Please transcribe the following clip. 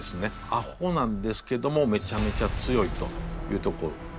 アホなんですけどもめちゃめちゃ強いというとこ。